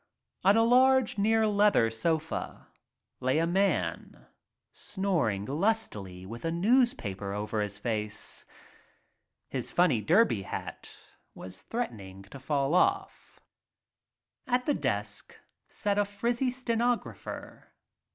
On a large near leather sofa lay a man, snoring lustily with a newspaper over his face. His funny derby hat was threatening to fall off. At the desk sat a frizzy stenographer.